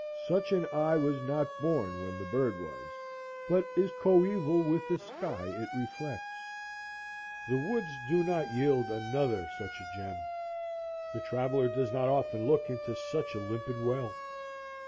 Such an eye was not born when the bird was, but is coeval with the sky it reflects. The woods do not yield another such a gem. The traveller does not often look into such a limpid well.